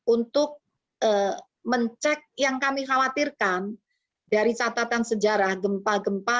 untuk mencek yang kami khawatirkan dari catatan sejarah gempa gempa